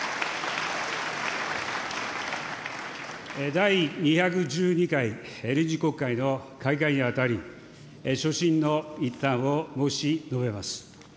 第２１２回臨時国会の開会にあたり、所信の一端を申し述べます。